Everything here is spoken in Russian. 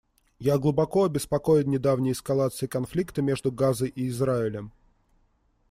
Я глубоко обеспокоен недавней эскалацией конфликта между Газой и Израилем.